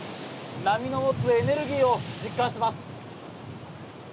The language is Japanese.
波の持つエネルギーを実感します。